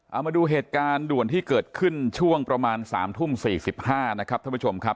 เอามาดูเหตุการณ์ด่วนที่เกิดขึ้นช่วงประมาณ๓ทุ่ม๔๕นะครับท่านผู้ชมครับ